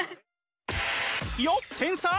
よっ天才！